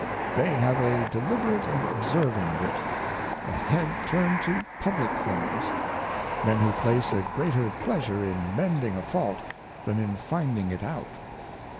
They have a deliberate and an observing Wit, a Head turned to Publick things ; Men who place a greater pleasure in mending a Fault than in finding it out.